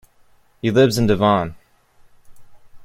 He lives in Devon.